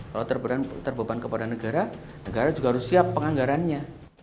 kalau terbeban kepada negara negara juga harus siap penganggarannya